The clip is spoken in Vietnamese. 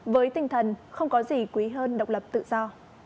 với tinh thần không có gì quý hơn độc lập tự do